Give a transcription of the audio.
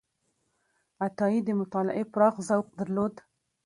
عطایي د مطالعې پراخ ذوق درلود.